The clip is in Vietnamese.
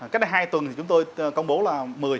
cách đây hai tuần thì chúng tôi công bố là một mươi